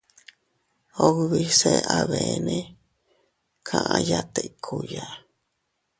Ubise abeene kaʼaya tikkuya.